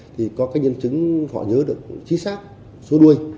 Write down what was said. thì có cái nhân chứng họ nhớ được chính xác số đuôi